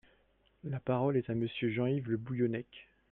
La parole est à Monsieur Jean-Yves Le Bouillonnec.